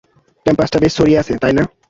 ক্যাম্পাসটা বেশ ছড়িয়ে আছে, তাই না?